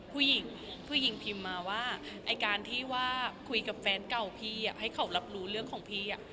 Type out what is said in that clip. ผู้หญิงผู้หญิงพิมพ์มาว่าไอ้การที่ว่าคุยกับแฟนเก่าพี่ให้เขารับรู้เรื่องของพี่